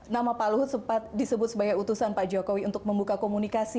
nama pak luhut sempat disebut sebagai utusan pak jokowi untuk membuka komunikasi